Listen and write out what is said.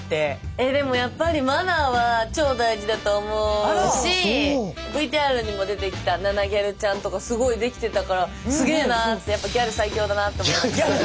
えでもやっぱりマナーは超大事だと思うしＶＴＲにも出てきたナナぎゃるちゃんとかすごいできてたからすげーなーってギャル最強。